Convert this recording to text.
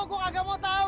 aku agak mau tau